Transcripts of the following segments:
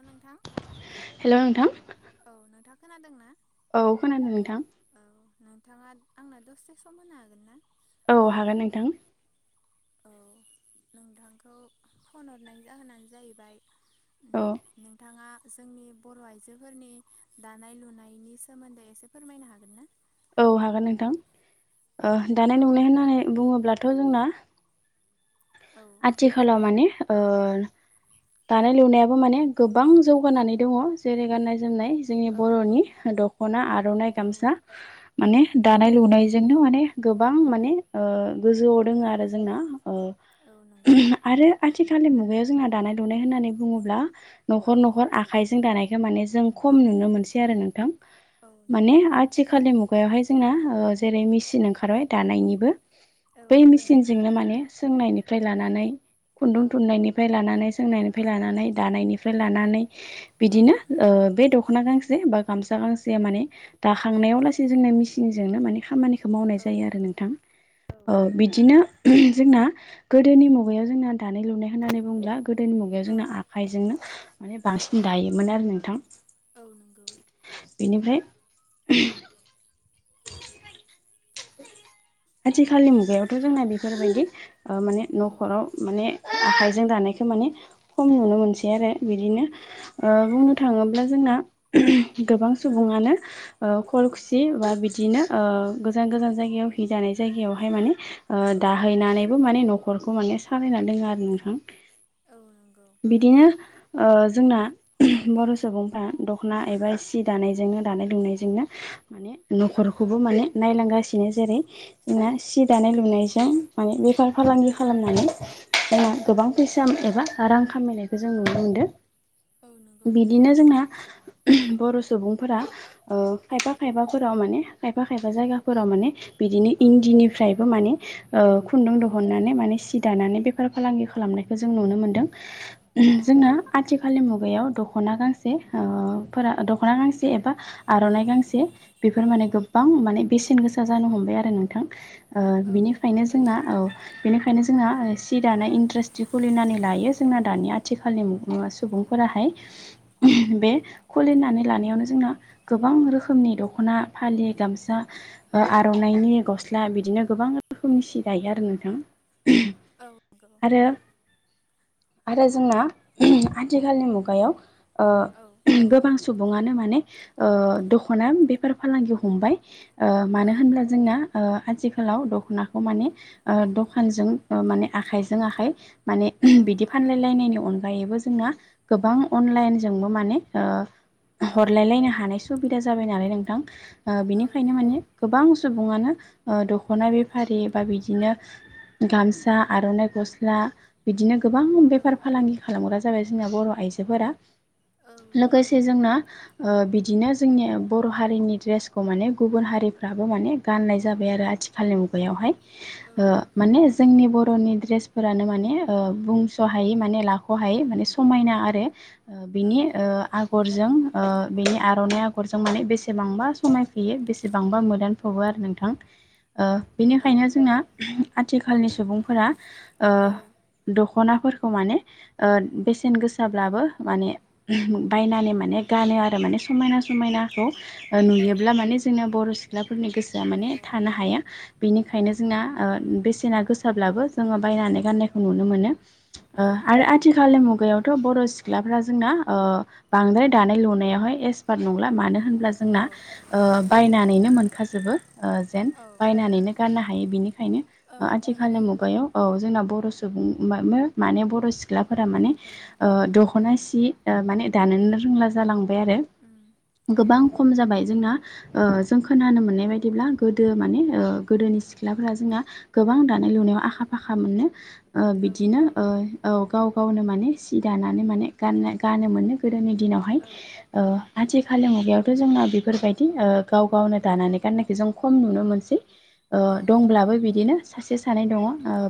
औ नोंथां हेल' नोंथां औ नोंथाङा खोनादों ना? औ खोनादों नोंथां औ नोंथाङा आंना दसथ सम होनो हागोन ना? औ हागोन नोंथां औ नोंथांखौ फन हरनाय जाहोनानो जाहैबाय औ नोंथांङा जोंनि बर' आइजोफोरनि दानाय लुनायनि सोमोन्दै एसे फोरमायनो हागोन ना? औ हागोन नोंथां दानाय औ नुनाय होननानै बुङोब्लाथ' जोंना औ आथिखालाव माने ओ दानाय लुनायाबो माने गोबां औ जौगानानै दंङ जेरै गाननाय जोमनाय जोंनि औ औ बर'नि द खना आर'नाइ औ गामसा माने औ दानाय नंगौ लुनायजोंनो माने गोबां माने गोजौआव दोङो औ आरो जोंना ओ औ नंगौ आरो आथिखालनि मुगायाव जोंहा दानाय लुनाय होननानै बुङोब्ला औ न'खर न'खर आ आखाइजों दानायखौ माने जों खम नुनो मोनसै आरो नोंथां औ माने नंगौ आथिखालनि मुगायावहाय जोंना जेरै मेसिन ओंखारबाय दानायनिबो औ बै नंगौ मेसिनजोंनो माने सोंनायनिफ्राय लानानै खुन्दुं औ थुननायनिफ्राय लानानै सोंनायनिफ्राय लानानै दानायनिफ्राय फ्राय लानानै औ बिदिनो बे दख'ना गांसे बा गामसा गांसे माने औ दाखांनायाव लासै जोंना मेसिनजोंनो माने खामानिखौ मावनाय औ जायो आरो नंगौ नोंथां औ बिदिनो जोंना गोदोनि मुगायाव जोंना दानाय लुनाय होननानै बुंब्ला गोदोनि मुगायाव औ जोंना आ आखाइजोंनो माने बांसिन दायोमोन आरो नोंथां। औ नंगौ। बेनिफ्राय आथिखालनि मुगायावथ' जोंना बेफोरबायदि माने औ न'खराव माने आखाइजों दानायखौ माने खम नुनो मोनसै आरो बिदिनो औ बुंनो नंगौ थाङोब्ला जोंना गोबां सुबुङानो औ खल खुसि बा बिदिनो गोजान गोजान जायगायाव हि जानाय जायगायावहाय माने औ दाहैनानैबो माने न'खरखौ माने सालायना दोङो आरो नोंथां औ नंगौ। बिदिनो ओ जोंना बर' सुबुंफ्रा दख'ना एबा सि दानायजोंनो दानाय लुनायजोंनो माने औ न'खरखौबो माने नायलांगासिनो जेरै जोंना सि औ दानाय नंगौ लुनायजों माने बेफार फालांगि औ खालामनानै जोंना औ गोबां फैसा एबा रां खामायनायखौ जों नुनो मोनदों औ नंगौ नोंथां बिदिनो जोंहा बर' सुबुंफोरा ओ औ खायफा खायफाफोराव माने खायफा खायफा जायगाफोराव माने बिदिनो औ इन्दिनिफ्रायबो माने खुन्दुं औ दिहुननानै माने दानानै बेफार फालांगि खालामनाय जों नुनो मोनदों औ जोंहा नंगौ आथि खालि मुगायाव दख'ना गांसे ओ फोरा दख'ना गांसे एबा आर'नाइ गांसे बेफोर माने गोबां माने बेसेन गोसा जानो हम बाय आरो नोंथां औ नंगौ बिनिफ्रायनो जोंना बेनिखायनो जोंना सि दानाया इन्डास्ट्रि खुलिनानै लायो जोंना दानि आथिखालनि मुु सुबुंफोराहाय बे खुलिनानै लानायावनो जोंना गोबां रोखोमनि दख'ना फालि गामसा ओ आ आर'नायनि गस्ला बिदिनो गोबां रोखोमनि सि गायो आरो नोंथां। औ नंगौ आरो आरो जोंना आथिखालनि मुगायाव ओ औ गोबां सुबुङानो माने ओ दख'ना बेफार फालांगि हमबाय ओ मानो औ होनब्ला जोंना ओ आथिखालाव दख'नाखौ माने ओ दखानजों माने आखाइजों आखाइ माने औ बिदि फानलायलायनायनि अनगा गायैबो जोंना गोबां अनलाइनजोंबो माने ओ औ हरलायलायनो हानाय सुबिदा जाबाय नालाय नोंथां ओ औ बिनिखायनो नंगौ माने गोबां सुबुङानो ओ दख'ना बेफारि बा बिदिनो गामसा आर'नाइ गस्ला बिदिनो गोबां औ बेफार फालांगि खालामग्रा जाबाय जोंना बर' आइजोफोरा। औ नंगौ लोगोसे जोंना ओ बिदिनो जोंनि बर' हारिनि ड्रेसखौ माने गुबुन हारि फ्राबो माने गाननाय जाबाय आरो आथिखालनि मुगायावहाय औ ओ नंगौ माने जोंनि बर'नि ड्रेसफोरानो माने ओ बुंस'हायै माने लाख'हायै माने समायना आरो। औ बिनि ओ औ नंगौ आगरजों ओ बेनि आर'नाइ आगरजों माने बेसेबांबा समायफैयो बेसेबांबा मो दानफबो आरो नोंथां ओ औ बेनिखायनो जोंना आथिखालनि सुबुंफोरा ओ औ दखनाफोरखौ माने ओ बेसेन गोसाब्लाबो माने बायनानै माने गानो आरो माने समायना समायना खौ औ नुयोब्ला माने जोंना बर' सिख्लाफोरनि गोसोआ माने थानो औ हाया। बिनिखायनो जोंना ओ बेसेना गोसाब्लाबो जोङो बायनानै गाननायखौ नुनो मोनो। ओ औ आरो नंगौ आथिखालनि मुगायावथ' बर' सिख सिख्लाफ्रा जोंना ओ बांद्राय दानाय लुनायावहाय एक्सपार्ट नंला मानो होनब्ला जोंना औ बायनानैनो मोनखाजोबो जेन औ बायनानैनो गाननो हायो बिनिखायनो औ आथिखालनि नंगौ मुगायाव औ जोंना बर' सुबुं माने बर' सि सिख्लाफोरा माने औ दख'ना सि माने दानोनो रोंला जालांबाय आरो उम औ गोबां नंगौ खम जाबाय जों जों खोनानो मोननाय बायदिब्ला गोदो माने ओ गोदोनि सिख्लाफोरा जोंना गोबां दानाय औ लुनायाव आखा फाखा मोनो ओ औ बिदिनो नंगौ ओ औ गाव गावनो माने सि दानानै माने गान गानो मोनो गोदोनि दिनावहाय औ ओ औ आथि खालि मुगायावथ' जोंना बेफोरबायदि ओ गाव गावनो दानानै गाननायखौ जों खम नुनो मोनसै। ओ औ नंगौ दंब्लाबो बिदिनो सासेस जानाय दङ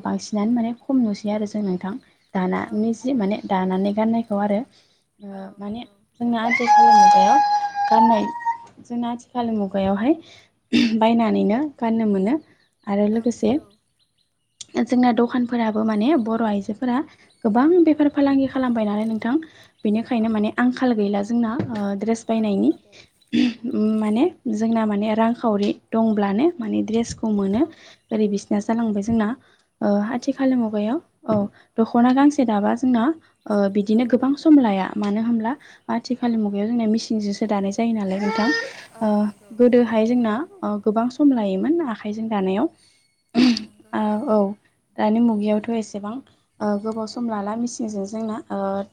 बांसिनानो माने खम नुसै आरो जों नोंथां औ दाननि नंगौ जि माने नोंथां दानानै गाननायखौ आरो औ माने नंगौ जोंना आथिखाल मुगायाव गाननाय जोंना आथिखाल मुगायाव खुगायावहाय बायनानैनो गाननो मोनो आरो औ लोगोसे नंगौ जोंना दखानफोराबो माने बर' आइजोफोरा गोबां बेफार फालांगि खालामबायनानै नोंथां बेनिखायनो औ माने नंगौ आंखाल गैला जोंना दड्रेस औ बायनायनि नंगौ माने जोंना माने रांखावरि दंब्लानो माने दड्रेसखौ औ मोनो ओरै बिसिना जालांबाय जोंना औ आथिखाल नंगौ मुगायाव औ दख'ना गांसे दाबा जोंना औ बिदिनो गोबां सम लाया मानो होनब्ला आथिखालनि मुगायाव जोंना मिसिनजोंसो दानाय जायो नालाय नोंथां औ ओ नंगौ गोदोहाय जोंना गोबां सम लायोमोन आखाइजों दानायाव औ नंगौ नोंथां औ दानि मुगायावथ' एसेबां गोबाव सम लाला मेसिनजों जोंना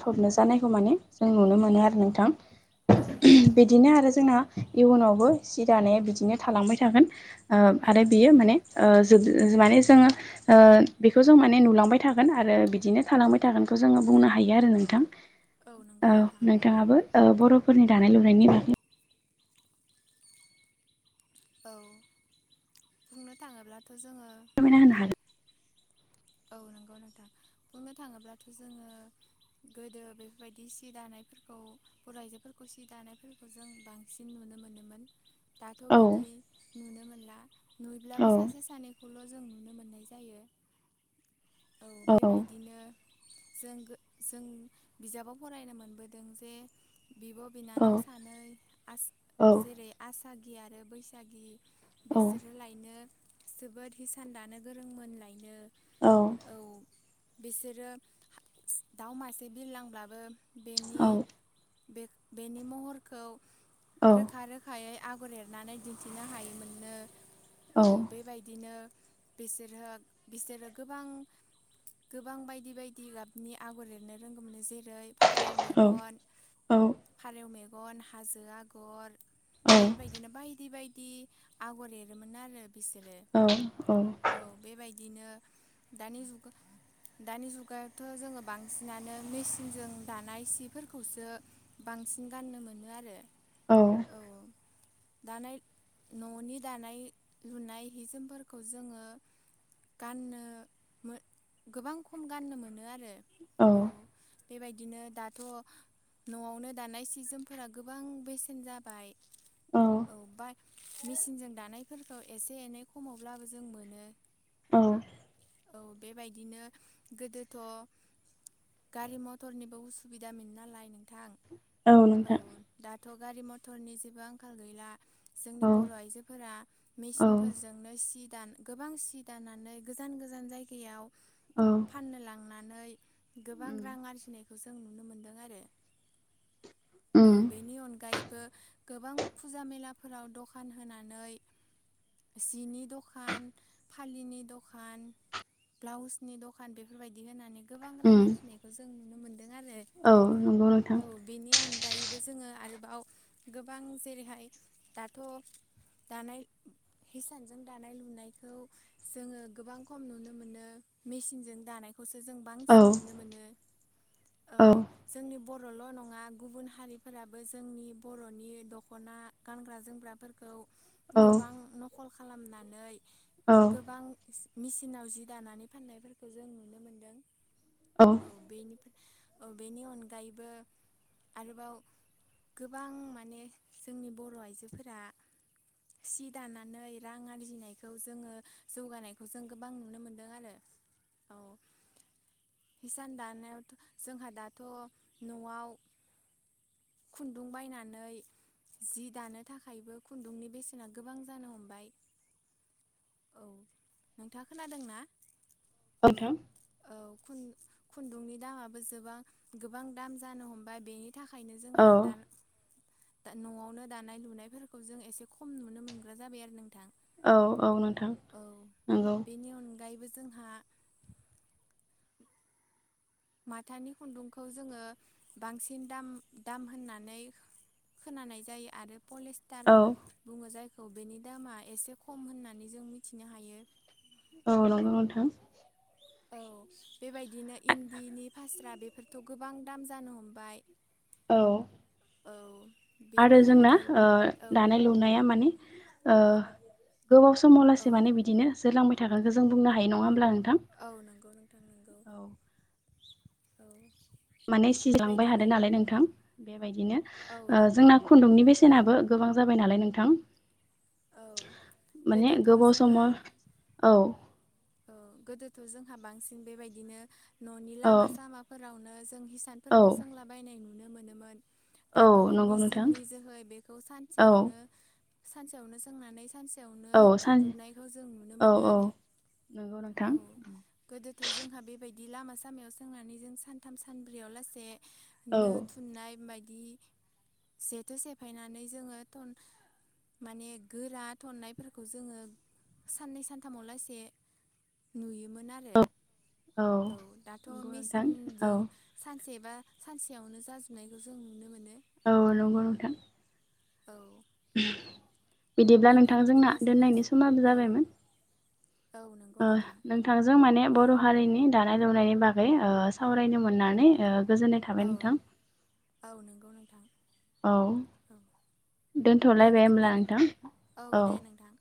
थबनो जानायखौ माने जों नुनो मोनो आरो नोंथां औ नंगौ बिदिनो आरो जोंना इयुनावबो सि दानाया बिदिनो थालांबाय थागोन औ आरो बियो माने ज माने जोङो बेखौ जों माने नुलांबाय थागोन आरो बिदिनो थालांबाय थागोनखौ जोङो बुंनो हायो आरो नोंथां नंगौ औ नोंथां नोंथाङाबो बर'फोरनि दानाय लुनायनि बागै औ बुंनो थाङोब्लाथ' जोङो [unintelligible] होनो हागोन औ नंगौ नोंथां बुंनो थाङोब्लाथ' जोङो गोदो बेफोरबायदि सि दानायफोरखौ बर' आइजोफोरखौ सि दानायफोरखौ जों बांसिन बांसिन नुनो मोनोमोन दाथ' औ बिदि नुनो मोनला नुयब्लाबो औ सासे सानै खौल' जों नुनो मोननाय जायो औ बेबायदिनो जों जों बिजाबाव फरायनो मोनबोदों जे बिब' बिनानाव औ सानै औ जेरै आसागि आरो बैसागि औ बिसोरो लायनो जोबोद हिसान दानो गोरोंमोन लायनो औ बिसोरो दाउ मासे बिरलांब्लाबो औ बेनि महरखौ रोखा रोखा हायै आगर एरनानै दिन्थिनो हायोमोननो औ बेबायदिनो बिसोरहा बिसोरो गोबां गोबां बायदि बायदि गाबनि आगर एरनो रोंगौ मोन जेरै फारौ मेगन फारौ मेगन हाजो आगर बेफोरबायदिनो बायदि बायदि आगर एरोमोन आरो बिसोरो औ बेबायदिनो दानि जुगाव दानि जुगावथ' जोङो बांसिनानो मेसिनजों दानाय सिफोरखौसो बांसिन गाननो मोनो आरो औ दानाय न'नि दानाय लुनाय हिजोमफोरखौ जोङो गाननो गोबां खम गाननो मोनो आरो औ बेबायदिनो दाथ' न'आवनो दानाय सिजोनफोरा गोबां बेसेन जाबाय औ बाइक मेसिनजों दानायफोरखौ एसे एनै खमावब्लाबो जों मोनो। औ औ बेबायदिनो गोदोथ' गारि मथरनिबो उसुबिदाम मोनोन नालाय नोंथां औ दाथ' गारि मथरनि जेबो आंखाल गैला जोंनि औ बर' आइजोफोरा औ मेसिनफोरजोंनो सि दान गोबां सि दाननानै गोजान गोजान जायगायाव औ फाननो लांनानै गोबां उम रां आरजिनायखौ जों नुनो मोन्दों आरो [inaudible] औ उम बेनि अनगायैबो गोबां फुजा मेलाफोराव दखान होनानै सिनि दखान फालिनि दखान खान बाउस बेफोरबायदि होनानै गोबां रां उम आरजिनाय खौ जों नुनो मोन्दों आरो औ नंगौ नोंथां। औ बेनि अनगायैबो जोङो आरोबाव गोबां जेरैहाय दाथ' दानाय हिसानजों दानाय लुनायखौ जोङो गोबां खम नुनो मोनो मेचनजों दानायखौसो जों औ बांसिन नुनो मोनो। औ जोंनि बर'ल' नङा गुबुन हारिफोराबो जोंनि बर'नि दख'ना गानग्रा जोमग्राफोरखौ औ गोबां नखल खालामनानै औ गोबां मेसिनाव जि दानानै फाननायफोरखौ जों नुनो मोन्दों। औ औ बेनिफ्राय औ बेनि अनगायैबो आरोबाव गोबां माने जोंनि बर' आइजोफोरा सि दानानै रां आरजिनायखौ जोङो जौगानाय खौ जों गोबां नुनो मोनदों आरो औ। हिसान दानायावथ' जोंहा दाथ' न'आव खुन्दुं बायनानै जि दानो थाखायबो खुन्दुंनि बेसेना गोबां जानो हमबाय। औ नोंथाङा खोनादों ना? ओ नोंथां। औ खुन्दुंनि दामाबो जोबां गोबां दाम जानो हमबाय बेनि थाखायनो जोंहा औ दा दा न'आवनो दानाय लुनायफोरखौ जों एसे खम नुनो मोनग्रा जाबाय आरो नोंथां। औ औ नोंथां औ नंगौ। बेनि अनगायैबो जोंहा माथानि खुन्दुंखौ जोङो बांसिन दाम दाम होननानै खोनानाय जायो आरो पलेस थार औ बुङो जायखौ बेनि दामा एसे खम होननानै जों मिथिनो हायो। औ नंगौ नंथां। औ बेबायदिनो इन्दिनि फास्रा बेफोरथ' गोबां दाम जानो हमबाय।। औ औ आरो बेनि जोंना अनगायै ओ औ दानाय लु लुनायाव माने ओ गोबाव समाव औ लासे माने बेदिनो जोरलांबाय थासै। [unintelligible] खौ जों बुंनो हायो नङा होनब्ला नोंथां। औ नंगौ नोंथां नंगौ औ औ। माने सिजलांबाय बेबायदिनो हादों नालाय नोंथां बेबायदिनो औ ओ नंगौ जोंना खुन्दुंनि औ बेसेनाबो गोबां जाबाय नालाय नोंथां औ माने गोदोथ' गोबाव जोंहा समाव औ औ गोदोथ' जोंहा बांसिन बेबायदिनो न'नि औ लामा सामाफोरावनो जों हिसान औ फोरखौ सोंलाबायनाय नुनो मोनोमोन। औ दाथ' नंगौ नोंथां मेचननि जोहै बेखौ औ सानसेयावनो सानसेयावनो सोंनानै सानसे फिथायावनो औ सान थुनजुबनायखौ जों नुनो मोनो आरो नोंगौना। औ गोदोथ' जोंहा बेबायदि लामा सामायाव सोंनानै जों सानथाम सानब्रैयाव लाससे औ नो थुननाय बायदि जेथो सेफायनानै जोङो माने गोरा थननायफोरखौ जोङो साननै सानथामाव लासे नुयोमोन आरो औ दाथ' नंगौ नोंथां औ मेचिनजों सानसे बा सानसेयावनो जाजोबनायखौ जों नुनो मोनो। औ नंगौ नोंथां। औ अह बिदिब्ला नोंथां नोंथांजोंना बिदिब्ला जोंना दोननायनि समाबो औ जाबायमोन। औ नंगौ ओ नोंथां नोंथांजों माने औ बर' हारिनि दानाय लुनायनि बागै ओ सावरायनो मोननानै ओ गोजोननाय थाबाय औ नोंथां। औ नोंगौ नोंथां औ औ। दे दोनथ'लायबाय बिदिब्ला होमब्ला नोंथ नोंथां औ दे नोंथां।